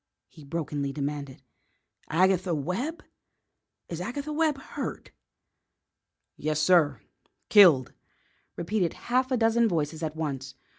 he brokenly demanded. "Agatha Webb? Is Agatha Webb hurt?" "Yes, sir; killed," repeated a half dozen voices at once.